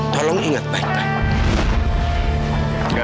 tolong ingat baik baik